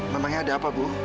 memangnya ada apa bu